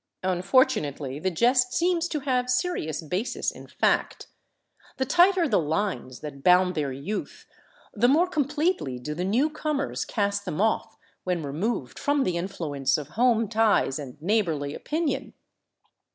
Unfortunately the jest seems to have serious basis in fact. The tighter the lines that bound their youth, the more com pletely do the newcomers cast them off when removed from the in fluence of home ties and neighborly opinion.